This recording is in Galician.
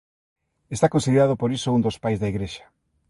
Está considerado por iso un dos Pais da Igrexa.